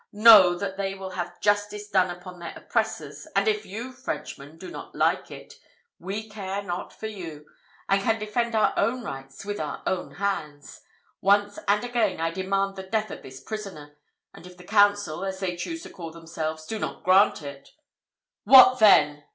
Know, that they will have justice done upon their oppressors; and if you, Frenchman, do not like it, we care not for you, and can defend our own rights with our own hands. Once, and again, I demand the death of this prisoner, and if the council, as they choose to call themselves, do not grant it " "What then?"